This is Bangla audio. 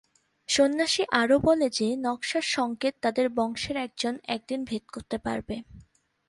সন্ন্যাসী আরো বলে যে, নকশার সংকেত তাদের বংশের একজন একদিন ভেদ করতে পারবে।